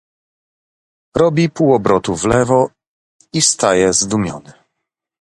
"Robi półobrotu wlewo i staje zdumiony."